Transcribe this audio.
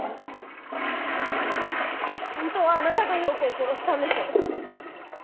ホントはあなたが葉子を殺したんでしょ？